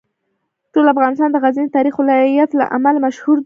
ټول افغانستان د غزني د تاریخي ولایت له امله مشهور دی.